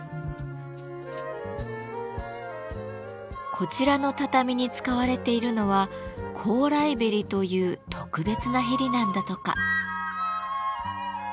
こちらの畳に使われているのは「高麗縁」という特別なへりなんだとか。